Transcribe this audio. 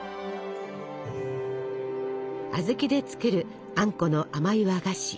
小豆で作るあんこの甘い和菓子。